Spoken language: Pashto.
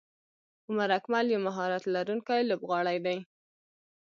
عمر اکمل یو مهارت لرونکی لوبغاړی وو.